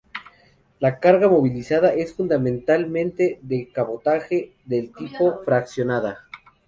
La carga movilizada es fundamentalmente de cabotaje, del tipo fraccionada.